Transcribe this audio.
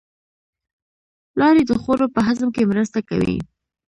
لاړې د خوړو په هضم کې مرسته کوي